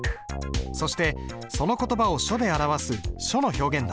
そしてその言葉を書で表す書の表現だ。